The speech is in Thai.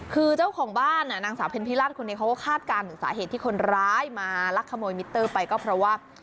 คือเจ้าของบ้านนางสาวเพ็ญพิราชคนนี้เขาก็คาดการณ์ถึงสาเหตุที่คนร้ายมาลักขโมยมิเตอร์ไปก็เพราะว่า